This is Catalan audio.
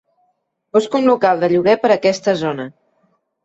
Busco un local de lloguer per aquesta zona.